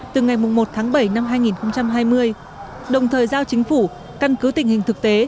từ ngày một tháng bảy năm hai nghìn hai mươi đồng thời giao chính phủ căn cứ tình hình thực tế